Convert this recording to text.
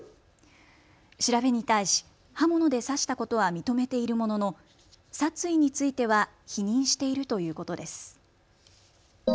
調べに対し刃物で刺したことは認めているものの殺意については否認しているということです。